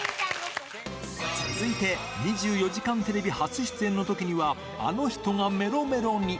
続いて２４時間テレビ初出演のときには、あの人がめろめろに！